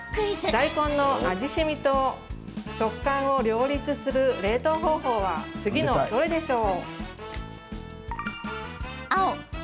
大根の味しみと食感を両立する冷凍方法は次のどれでしょう？